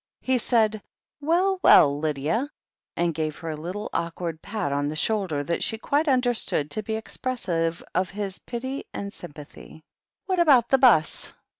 He said, "Well, well, Lydia," and gave her a little, awkward pat on the shoulder, that she quite tmder stood to be expressive of his pity and sympathy. "What about the 'bus?"